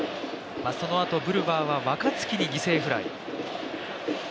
そのあとブルワーは若月に犠牲フライ。